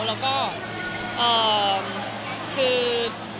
แล้วก็เอ่อคือ